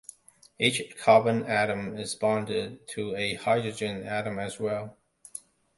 Each carbon atom is bonded to a hydrogen atom as well.